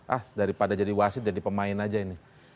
ah daripada jadi wasit jadi pemain aja ini